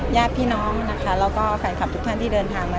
แยกพี่น้องนะคะแล้วก็ทุกท่านที่เดินทางมา